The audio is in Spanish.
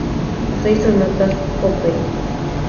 Sus seis sonatas Op.